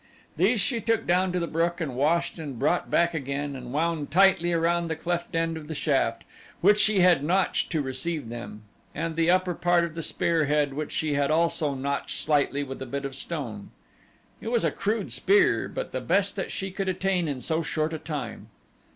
These she took down to the brook and washed and brought back again and wound tightly around the cleft end of the shaft, which she had notched to receive them, and the upper part of the spear head which she had also notched slightly with a bit of stone. It was a crude spear but the best that she could attain in so short a time.